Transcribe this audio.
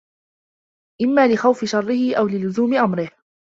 إمَّا لِخَوْفِ شَرِّهِ أَوْ لِلُّزُومِ أَمْرِهِ